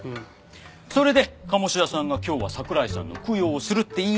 それで鴨志田さんが今日は桜井さんの供養をするって言い出して。